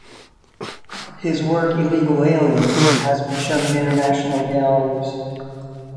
His work "Illegal Aliens" has been shown in international galleries.